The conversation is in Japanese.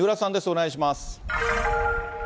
お願いします。